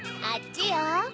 あっちよ。